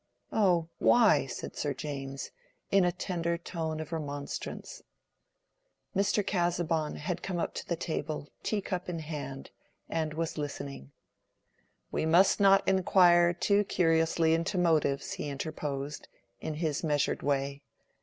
"Oh, why?" said Sir James, in a tender tone of remonstrance. Mr. Casaubon had come up to the table, teacup in hand, and was listening. "We must not inquire too curiously into motives," he interposed, in his measured way.